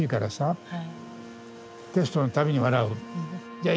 「じゃあい